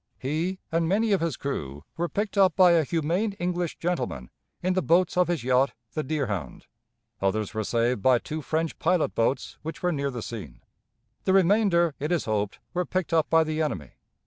He and many of his crew were picked up by a humane English gentleman in the boats of his yacht, the Deerhound. Others were saved by two French pilot boats which were near the scene. The remainder, it is hoped, were picked up by the enemy.